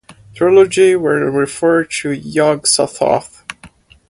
Trilogy where it referred to Yog-Sothoth.